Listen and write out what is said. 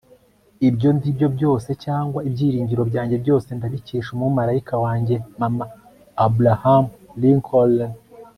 ibyo ndi byo byose cyangwa ibyiringiro byanjye byose, ndabikesha umumarayika wanjye mama. - abraham lincoln